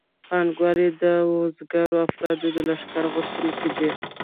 پانګوال د وزګارو افرادو د لښکر غوښتونکي دي